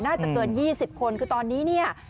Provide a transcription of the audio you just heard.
น่าจะเกิน๒๐คนคือตอนนี้เนี่ย